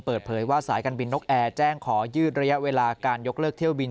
เปิดเผยว่าสายการบินนกแอร์แจ้งขอยืดระยะเวลาการยกเลิกเที่ยวบิน